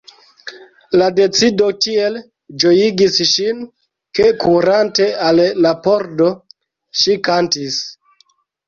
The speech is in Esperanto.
La decido tiel ĝojigis ŝin; ke kurante al la pordo, ŝi kantis: